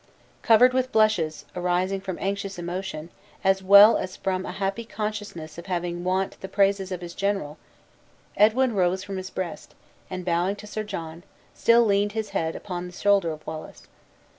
Covered with blushes, arising from anxious emotion, as well as from a happy consciousness of having wont he praises of his general, Edwin rose from his breast, and bowing to Sir John, still leaned his head upon the shoulder of Wallace.